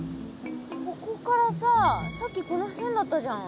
ここからささっきこの線だったじゃん。